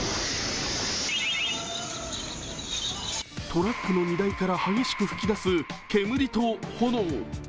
トラックの荷台から激しく吹き出す煙と炎。